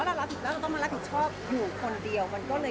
แล้วเราต้องมารับผิดชอบอยู่คนเดียว